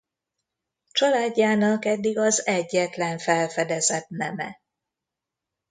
Családjának eddig az egyetlen felfedezett neme.